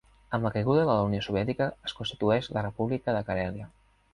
Amb la caiguda de la unió soviètica es constitueix la República de Carèlia.